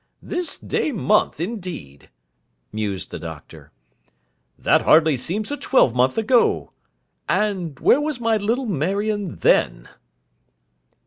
'This day month, indeed!' mused the Doctor. 'That hardly seems a twelve month ago. And where was my little Marion then!